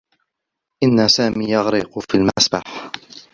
إنّ سامي يغرق في المسبح.